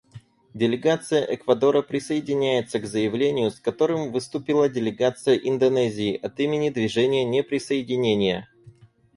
Делегация Эквадора присоединяется к заявлению, с которым выступила делегация Индонезии от имени Движения неприсоединения.